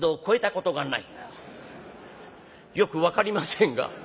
「よく分かりませんが」。